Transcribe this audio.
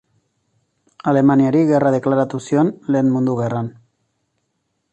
Alemaniari gerra deklaratu zion Lehen Mundu Gerran.